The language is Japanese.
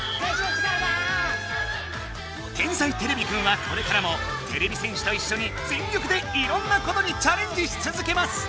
「天才てれびくん」はこれからもてれび戦士といっしょに全力でいろんなことにチャレンジしつづけます！